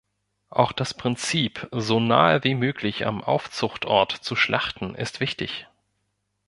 Auch das Prinzip, so nahe wie möglich am Aufzuchtort zu schlachten, ist wichtig.